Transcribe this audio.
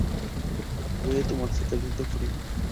Puede tomarse caliente o frío.